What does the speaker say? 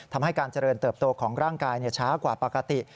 ทำให้การเจริญเติบโตของร่างกายช้ากว่าปกติ